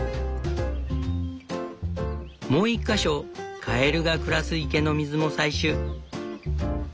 もう１か所カエルが暮らす池の水も採取。